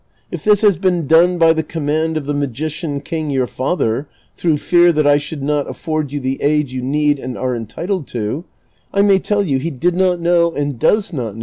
If this has been done by the command of the magician king your father, through fear that I should not afford you the aid you need and are entitled to, I may tell you he did not know and does not CHAPTER XXX VI I.